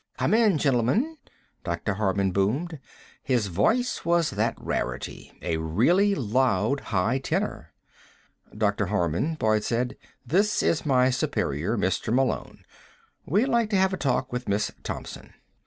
"Come in, gentlemen," Dr. Harman boomed. His voice was that rarity, a really loud high tenor. "Dr. Harman," Boyd said, "this is my superior, Mr. Malone. We'd like to have a talk with Miss Thompson."